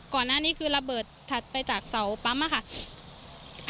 ก่อนหน้านี้คือระเบิดถัดไปจากเสาปั๊มค่ะ